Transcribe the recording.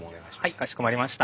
はいかしこまりました。